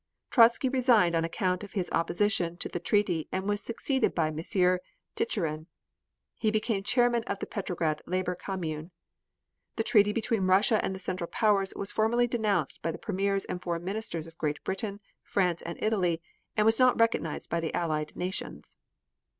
Trotzky resigned on account of his opposition to the treaty and was succeeded by M. Tchitcherin. He became Chairman of the Petrograd Labor Commune. The treaty between Russia and the Central Powers was formally denounced by the Premiers and Foreign Ministers of Great Britain, France, and Italy, and was not recognized by the Allied nations.